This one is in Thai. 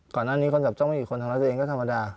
ก่อนหน้านี้คนจับจ้องไม่มีคนทำร้ายตัวเองก็ธรรมดา